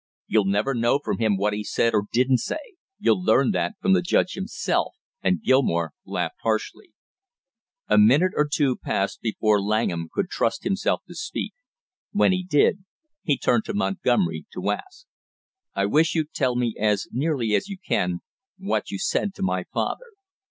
"You'll never know from him what he said or didn't say you'll learn that from the judge himself," and Gilmore laughed harshly. A minute or two passed before Langham could trust himself to speak. When he did, he turned to Montgomery to ask: "I wish you'd tell me as nearly as you can what you said to my father?"